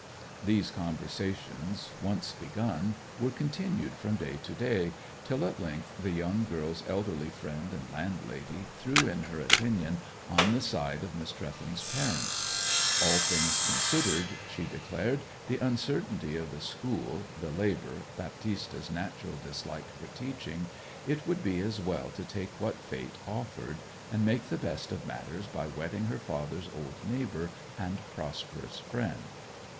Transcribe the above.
These conversations, once begun, were continued from day to day; till at length the young girl's elderly friend and landlady threw in her opinion on the side of Miss Trewthen's parents. All things considered, she declared, the uncertainty of the school, the labour, Baptista's natural dislike for teaching, it would be as well to take what fate offered, and make the best of matters by wedding her father's old neighbour and prosperous friend.